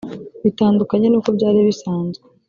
Bitandukanye n’uko byari bisanzwe